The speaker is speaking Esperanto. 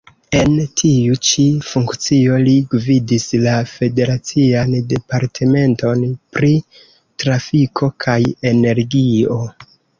En tiu-ĉi funkcio li gvidis la Federacian Departementon pri Trafiko kaj Energio.